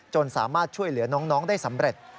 สามารถช่วยเหลือน้องได้สำเร็จ